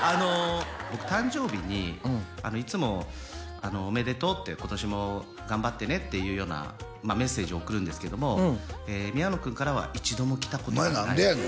僕誕生日にいつもおめでとうって今年も頑張ってねっていうようなメッセージを送るんですけども宮野君からは一度も来たことがないお前何でやねん